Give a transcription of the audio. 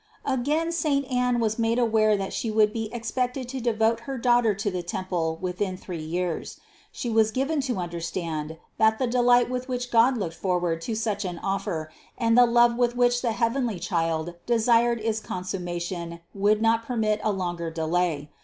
Again saint Anne was made aware that she would be expected to de vote her Daughter to the temple within three years; she was given to understand that the delight with which God looked forward to such an offer, and the love with which the heavenly Child desired its consummation would not permit a longer delay.